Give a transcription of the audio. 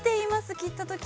切ったとき。